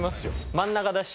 真ん中だし。